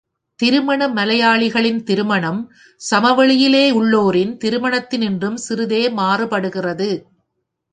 திருமணம் மலையாளிகளின் திருமணம் சமவெளியிலுள்ளோரின் திருமணத்தினின்றும் சிறிதே மாறுபடுகிறது.